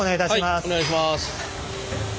はいお願いします。